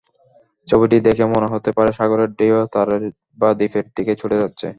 ছবিটি দেখে মনে হতে পারে সাগরের ঢেউ তীরের বা দ্বীপের দিকে ছুটে যাচ্ছে।